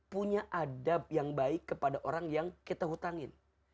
punya adab yang baik kepada orang yang kita hutangin